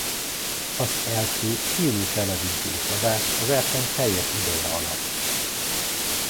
Az első élő televíziós adás a verseny teljes ideje alatt.